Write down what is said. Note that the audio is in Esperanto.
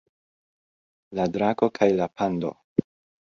La drako kaj la pando